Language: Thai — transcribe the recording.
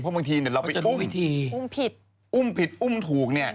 เพราะบางทีเนี่ยเราไปอุ้มอุ้มผิดอุ้มถูกเนี่ย